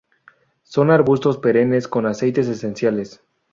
Son arbustos perennes con aceites esenciales.